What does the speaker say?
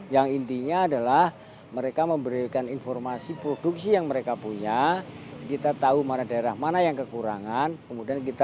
yang intinya adalah mereka memberikan informasi produksi yang mereka punya kita tahu mana daerah mana yang kekurangan kemudian kita